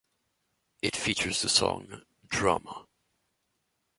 It features the song "Drama".